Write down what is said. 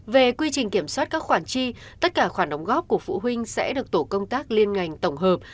về quy trình kiểm soát các khoản chi tất cả khoản đóng góp của phụ huynh sẽ được tổ công tác liên ngành tổng hợp